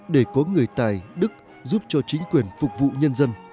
để có người tài đức giúp cho chính quyền phục vụ nhân dân